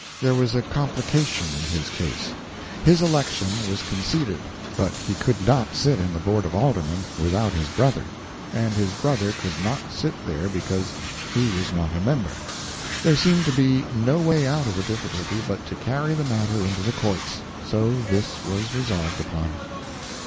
There was a complication in his case. His election was conceded, but he could not sit in the board of aldermen without his brother, and his brother could not sit there because he was not a member. There seemed to be no way out of the difficulty but to carry the matter into the courts, so this was resolved upon.